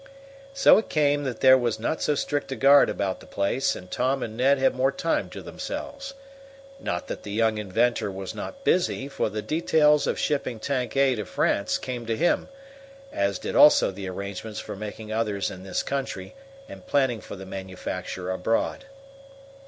So it came that there was not so strict a guard about the place, and Tom and Ned had more time to themselves. Not that the young inventor was not busy, for the details of shipping Tank A to France came to him, as did also the arrangements for making others in this country and planning for the manufacture abroad.